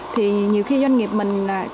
thì nhiều khi doanh nghiệp mình là